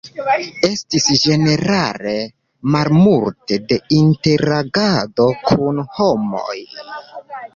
Estis ĝenerale malmulte de interagado kun homoj.